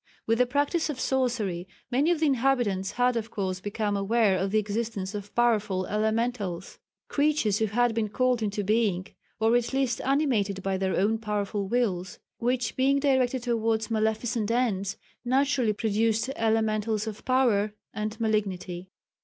With the practice of sorcery many of the inhabitants had, of course, become aware of the existence of powerful elementals creatures who had been called into being, or at least animated by their own powerful wills, which being directed towards maleficent ends, naturally produced the elementals of power and malignity.